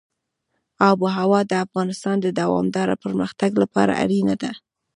آب وهوا د افغانستان د دوامداره پرمختګ لپاره اړینه ده.